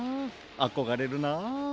あこがれるな。